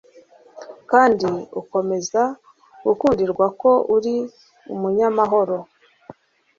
kandi ukomeza gukundirwa ko uri umunyamahoro